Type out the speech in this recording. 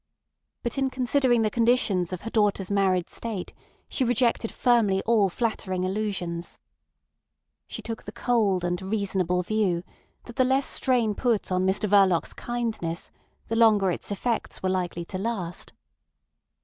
But in considering the conditions of her daughter's married state, she rejected firmly all flattering illusions. She took the cold and reasonable view that the less strain put on Mr Verloc's kindness the longer its effects were likely to last.